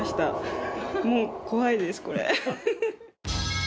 もう怖いですこれ。